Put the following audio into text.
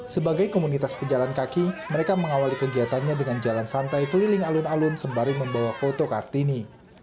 sebagai komunitas pejalan kaki mereka mengawali kegiatannya dengan jalan santai keliling alun alun sembari membawa foto kartini